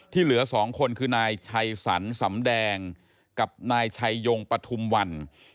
เหลือ๒คนคือนายชัยสรรสำแดงกับนายชัยยงปฐุมวัน